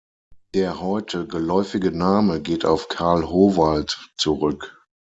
Der heute geläufige Name, geht auf Karl Howald zurück.